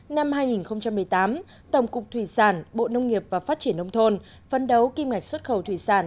năm hai nghìn một mươi tám tổng cục thủy sản bộ nông nghiệp và phát triển nông thôn phân đấu kim ngạch xuất khẩu thủy sản